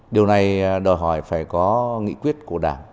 điều này đòi hỏi phải có nghị quyết của đảng